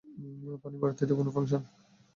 পনির, বাড়িতে কোনো ফাংশন?